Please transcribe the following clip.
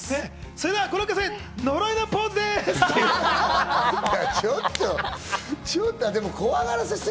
それでは呪いのポーズです